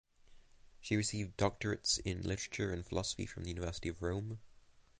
She received doctorates in literature and philosophy from the University of Rome.